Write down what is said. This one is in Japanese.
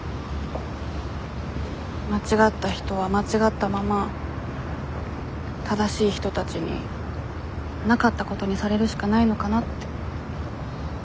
間違った人は間違ったまま正しい人たちになかったことにされるしかないのかなって。